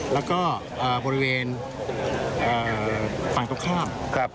แล้วก็บริเวณฝั่งตรงข้าม